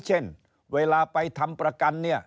เช่นเวลาไปทำประกัน